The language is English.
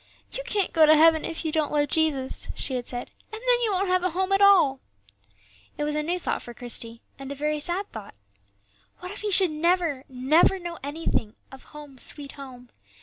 "You can't go to heaven if you don't love Jesus," she had said; "and then you won't have a home at all." It was a new thought for Christie, and a very sad thought. What if he should never, never know anything of "Home, sweet Home"?